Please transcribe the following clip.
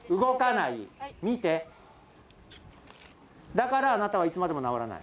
だからあなたはいつまでも直らない。